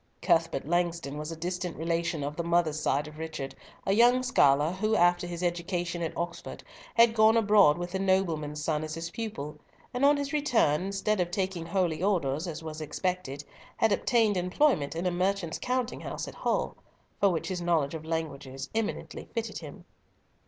Cuthbert Langston was a distant relation on the mother's side of Richard, a young scholar, who, after his education at Oxford, had gone abroad with a nobleman's son as his pupil, and on his return, instead of taking Holy Orders, as was expected, had obtained employment in a merchant's counting house at Hull, for which his knowledge of languages eminently fitted him.